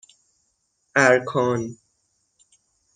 اَرکان